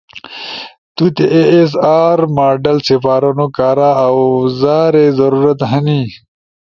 تو تے اے ایس ار ماڈل سپارونو کارا آوزارے ضرورت ہنی